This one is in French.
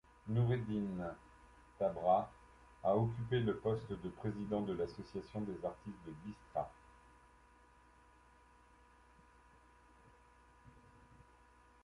Noureddine Tabrha a occupé le post de président de l'Association des Artistes de Biskra.